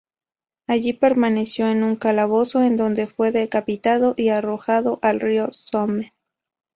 Allí permaneció en un calabozo en donde fue decapitado y arrojado al río Somme.